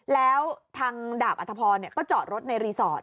แล้วทางดาบอัธพรก็จอดรถในรีสอร์ท